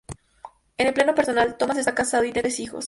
En el plano personal, Thomas está casado y tiene tres hijos.